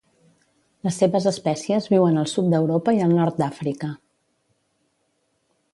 Les seves espècies viuen al sud d'Europa i el nord d'Àfrica.